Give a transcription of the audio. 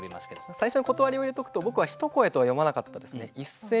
最初に断りを入れておくと僕は「ひとこえ」とは読まなかったですね。